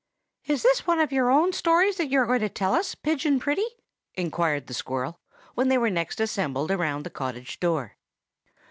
"IS this one of your own stories that you are going to tell us, Pigeon Pretty?" inquired the squirrel, when they were next assembled around the cottage door.